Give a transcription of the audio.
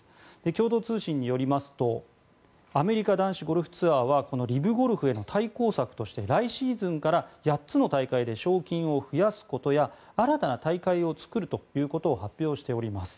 共同通信によりますとアメリカ男子ゴルフツアーはＬＩＶゴルフへの対抗策として来シーズンから８つの大会で賞金を増やすことや新たな大会を作るということを発表しています。